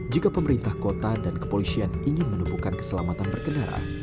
jika pemerintah kota dan kepolisian ingin menumbuhkan keselamatan berkendara